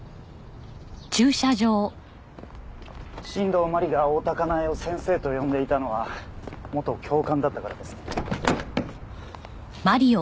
新道真理が大多香苗を先生と呼んでいたのは元教官だったからですね。